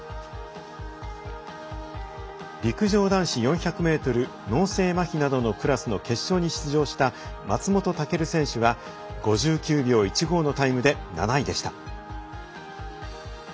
陸上男子４００ｍ脳性まひなどのクラスの決勝に出場した松本武尊選手は５９秒１５のタイムで７位でした。